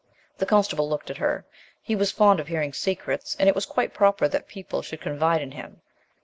The constable looked at her. He was fond of hearing secrets, and it was quite proper that people should confide in him.